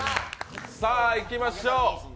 さあ、いきましょう。